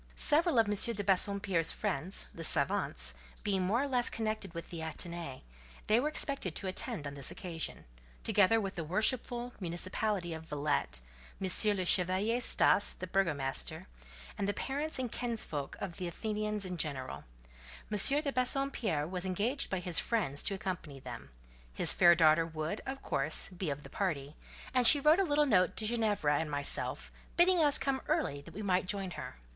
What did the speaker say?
Several of M. de Bassompierre's friends—the savants—being more or less connected with the Athénée, they were expected to attend on this occasion; together with the worshipful municipality of Villette, M. le Chevalier Staas, the burgomaster, and the parents and kinsfolk of the Athenians in general. M. de Bassompierre was engaged by his friends to accompany them; his fair daughter would, of course, be of the party, and she wrote a little note to Ginevra and myself, bidding us come early that we might join her.